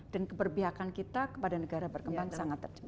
dan keberbihakan kita kepada negara berkembang sangat terjemah